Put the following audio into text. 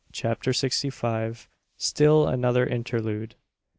CHAPTER SIXTY FIVE. STILL ANOTHER INTERLUDE.